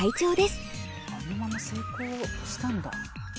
あのまま成功したんだ。